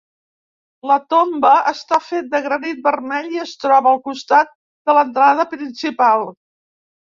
La tomba està fet de granit vermell i es troba al costat de l'entrada principal.